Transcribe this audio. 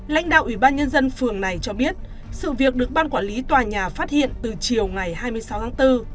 lãnh đạo ủy ban nhân dân phường này cho biết sự việc được ban quản lý tòa nhà phát hiện từ chiều ngày hai mươi sáu tháng bốn